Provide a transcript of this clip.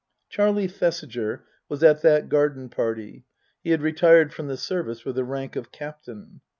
Charlie Thesiger was at that garden party (he had retired from the service with the rank of Captain).